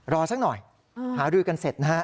สักหน่อยหารือกันเสร็จนะฮะ